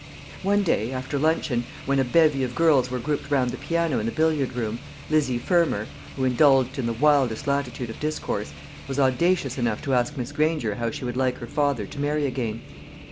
One day, after luncheon, when a bevy of girls were grouped round the piano in the billiard room, Lizzie Fermor who indulged in the wildest latitude of discourse was audacious enough to ask Miss Granger how she would like her father to marry again.